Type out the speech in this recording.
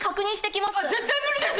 絶対無理です！